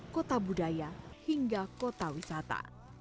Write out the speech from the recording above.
kota budaya hingga kota wisata